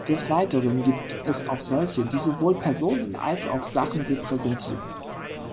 Des Weiteren gibt es auch solche, die sowohl Personen als auch Sachen repräsentieren.